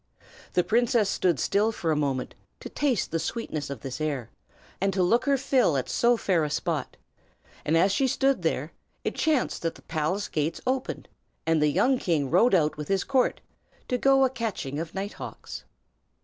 The princess stood still for a moment, to taste the sweetness of this air, and to look her fill at so fair a spot; and as she stood there, it chanced that the palace gates opened, and the young king rode out with his court, to go a catching of nighthawks.